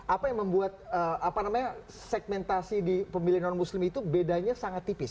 apa yang membuat segmentasi di pemilih non muslim itu bedanya sangat tipis